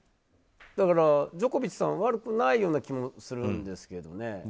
だから、ジョコビッチさんは悪くないような気もするんですが。